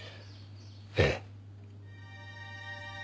ええ。